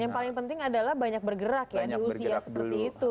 yang paling penting adalah banyak bergerak ya di usia seperti itu